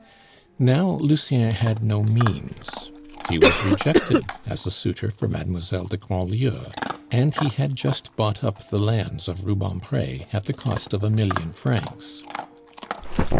Now Lucien had no means; he was rejected as a suitor for Mademoiselle de Grandlieu; and he had just bought up the lands of Rubempre at the cost of a million francs.